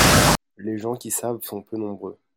Les gens qui savent sont peu nombreux.